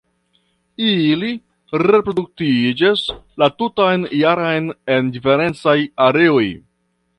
Ili reproduktiĝas la tutan jaron en diferencaj areoj.